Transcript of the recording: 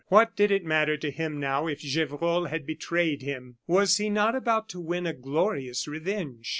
What did it matter to him now if Gevrol had betrayed him! Was he not about to win a glorious revenge?